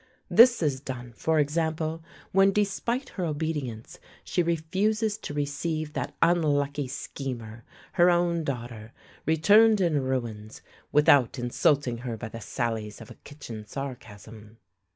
This is done, for example, when, despite her obedience, she refuses to receive that unlucky schemer, her own daughter, returned in ruins, without insulting her by the sallies of a kitchen sarcasm.